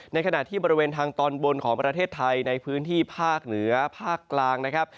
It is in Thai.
ในขณะที่บริเวณทางตอนบนของประเทศไทยในพื้นที่ภาคเหนือภาคกลางนะครับ